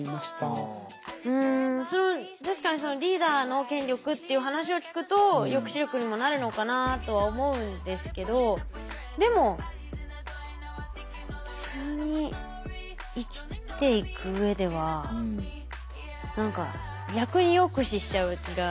うん確かにリーダーの権力っていう話を聞くと抑止力にもなるのかなとは思うんですけどでも普通に生きていく上では何か逆に抑止しちゃう気が。